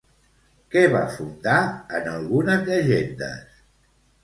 Què va fundar, en algunes llegendes?